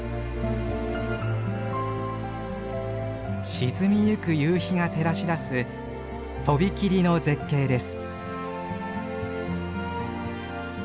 沈みゆく夕日が照らし出す飛び切りの絶景です。